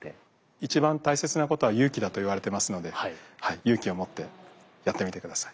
一番大切なことは勇気だと言われてますので勇気を持ってやってみて下さい。